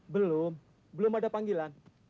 belum belum ada panggilan